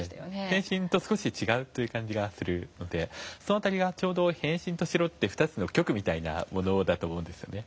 「変身」と少し違う感じがするのでちょうど「変身」と「城」って２つの「極」みたいなものだと思うんですよね。